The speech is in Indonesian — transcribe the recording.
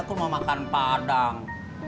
aku mau makan padang